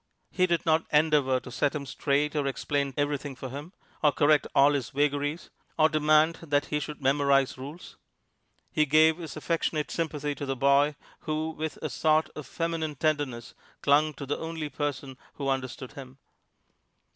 He did not endeavor to set him straight or explain everything for him, or correct all his vagaries, or demand that he should memorize rules. He gave his affectionate sympathy to the boy who, with a sort of feminine tenderness, clung to the only person who understood him.